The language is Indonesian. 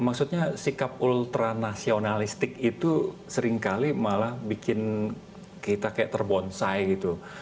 maksudnya sikap ultra nasionalistik itu seringkali malah bikin kita kayak terbonsai gitu